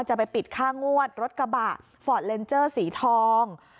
จะไปปิดค่างวดรถกระบะฟอร์ดเลนเจอร์สีทอง